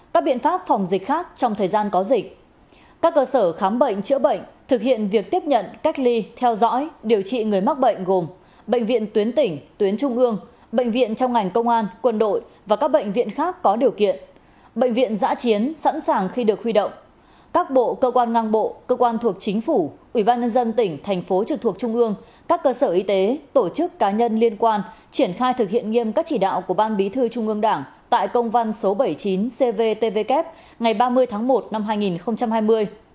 các bộ cơ quan ngang bộ cơ quan thuộc chính phủ ủy ban nhân dân tỉnh thành phố trực thuộc trung ương các cơ sở y tế tổ chức cá nhân liên quan triển khai thực hiện nghiêm các chỉ đạo của ban bí thư trung ương đảng tại công văn số bảy mươi chín cvtvk ngày ba mươi tháng một năm hai nghìn hai mươi